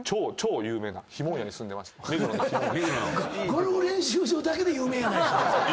ゴルフ練習場だけで有名やないか！